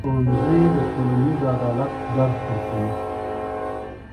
ښوونځی د ټولنیز عدالت درس ورکوي.